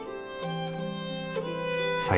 「さ・よ・